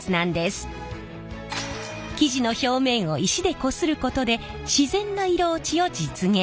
生地の表面を石でこすることで自然な色落ちを実現。